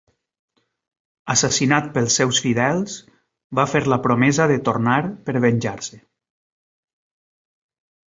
Assassinat pels seus fidels, va fer la promesa de tornar per venjar-se.